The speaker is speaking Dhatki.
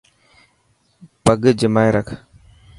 پگ جمائي رک.